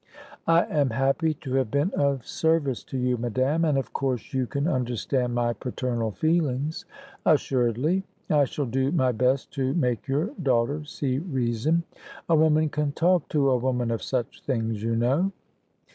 "I am happy to have been of service to you, madame, and of course, you can understand my paternal feelings." "Assuredly; I shall do my best to make your daughter see reason. A woman can talk to a woman of such things, you know."